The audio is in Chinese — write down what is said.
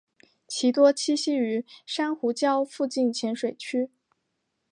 其多栖息于珊瑚礁附近浅水区。